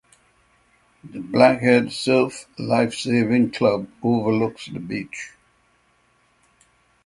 The Black Head Surf Lifesaving Club overlooks the beach.